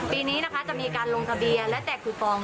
ปีนี้นะคะจะมีการลงทะเบียนและแจกคูฟอง